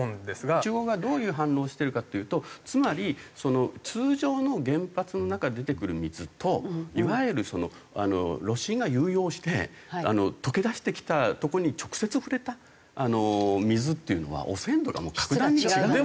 中国側がどういう反応してるかっていうとつまり通常の原発の中で出てくる水といわゆる炉心が溶融して溶け出してきたとこに直接触れた水っていうのは汚染度が格段に違うでしょと。